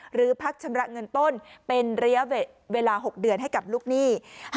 หรือพักชำระเงินต้นเป็นระยะเวลา๖เดือนให้กับลูกหนี้